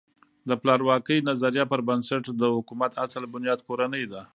د پلار واکۍ نظریه پر بنسټ د حکومت اصل بنیاد کورنۍ ده.